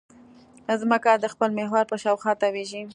ځمکه د خپل محور په شاوخوا تاوېږي.